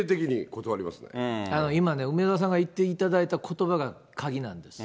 今ね、梅沢さんが言っていただいたことばが鍵なんです。